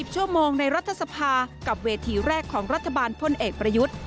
ชั่วโมงในรัฐสภากับเวทีแรกของรัฐบาลพลเอกประยุทธ์